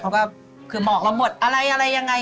เขาก็คือหมอกเราหมดอะไรยังไง